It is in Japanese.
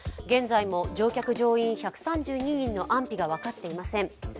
現在も乗客・乗員１３２人の安否が分かっていません。